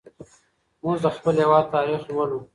موږ د خپل هېواد تاریخ لولو.